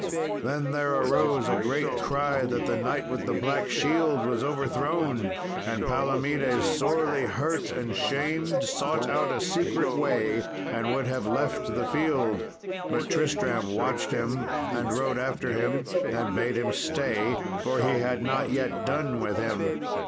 Then there arose a great cry that the knight with the black shield was overthrown. And Palomedes sorely hurt and shamed, sought out a secret way and would have left the field; but Tristram watched him, and rode after him, and bade him stay, for he had not yet done with him.